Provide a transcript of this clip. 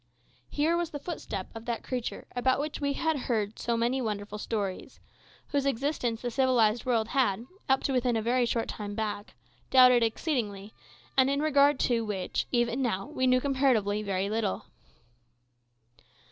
Here was the footstep of that creature about which we had heard so many wonderful stories, whose existence the civilised world had, up to within a very short time back, doubted exceedingly, and in regard to which, even now, we knew comparatively very little.